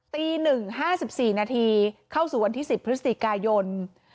ตี๑๕๔นาทีเข้าสู่วันที่๑๐พฤศจิกายน